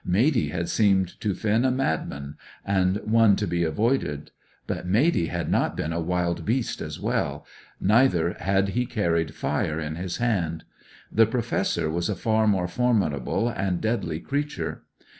Matey had seemed to Finn a mad man, and one to be avoided. But Matey had not been a wild beast as well, neither had he carried fire in his hand. The Professor was a far more formidable and deadly creature.